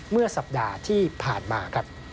เมื่อสัปดาห์ที่ผ่านมาครับ